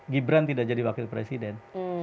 gibran tidak jadi wakil presiden